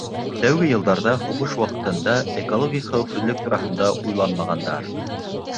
Тәүге йылдарҙа, һуғыш ваҡытында экологик хәүефһеҙлек тураһында уйланмағандар.